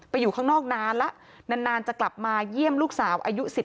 อยู่ข้างนอกนานแล้วนานจะกลับมาเยี่ยมลูกสาวอายุ๑๓